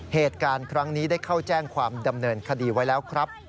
เหตุการณ์ครั้งนี้ได้เข้าแจ้งความดำเนินคดีไว้แล้วครับ